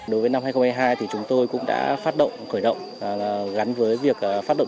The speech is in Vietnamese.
đối với năm hai nghìn hai mươi hai thì chúng tôi cũng đã phát động khởi động gắn với việc phát động